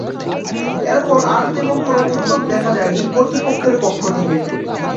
এরপর আর তেমন কোনো উদ্যোগ দেখা যায়নি কর্তৃপক্ষের পক্ষ থেকে।